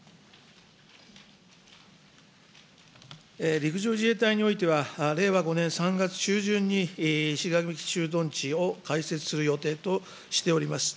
陸上自衛隊においては、令和５年３月中旬に石垣駐屯地を開設する予定としております。